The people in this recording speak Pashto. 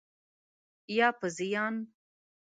یا په زیان؟